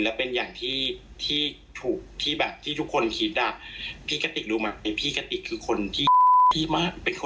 แล้วกะติกทำไมคะ